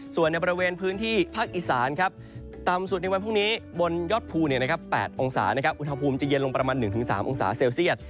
ส่วนในบริเวณพื้นที่ภาคอีสานต่ำสุดในวันพรุ่งนี้บนยอดภู๘องศาอุณหภูมิจะเย็นลงประมาณ๑๓องศาเซลเซียต